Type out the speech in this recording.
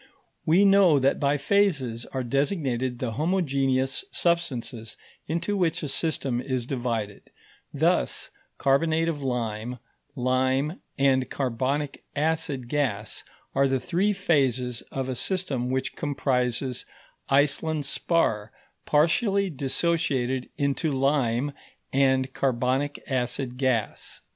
We know that by phases are designated the homogeneous substances into which a system is divided; thus carbonate of lime, lime, and carbonic acid gas are the three phases of a system which comprises Iceland spar partially dissociated into lime and carbonic acid gas.